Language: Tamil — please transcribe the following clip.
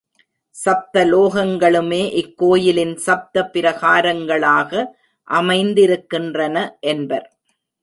சப்த லோகங்களுமே இக் கோயிலின் சப்த பிரகாரங்களாக அமைந்திருக்கின்றன என்பர்.